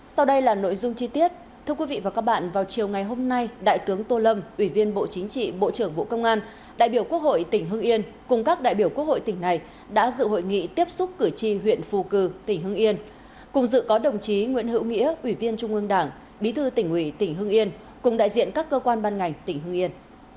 sau đây là nội dung chi tiết thưa quý vị và các bạn vào chiều ngày hôm nay đại tướng tô lâm ủy viên bộ chính trị bộ trưởng bộ công an đại biểu quốc hội tỉnh hưng yên cùng các đại biểu quốc hội tỉnh này đã dự hội nghị tiếp xúc cử tri huyện phù cử tỉnh hưng yên cùng dự có đồng chí nguyễn hữu nghĩa ủy viên trung ương đảng bí thư tỉnh huy tỉnh hưng yên cùng đại diện các cơ quan ban ngành tỉnh hưng yên